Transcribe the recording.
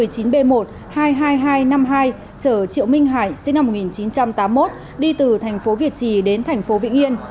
chở triệu minh hải sinh năm một nghìn chín trăm tám mươi một đi từ thành phố việt trì đến thành phố vĩnh yên